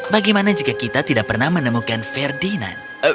bagaimana jika kita tidak pernah menemukan ferdinand